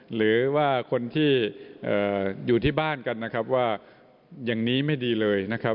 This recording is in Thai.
หรือว่าคนที่อยู่ที่บ้านกันนะครับว่าอย่างนี้ไม่ดีเลยนะครับ